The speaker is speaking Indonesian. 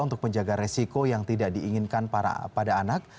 untuk menjaga resiko yang tidak diinginkan pada anak